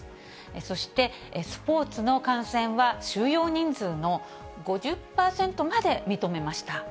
そしてスポーツの観戦は、収容人数の５０％まで認めました。